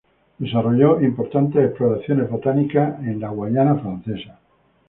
Desarrolló importantes exploraciones botánicas a la Guyana Francesa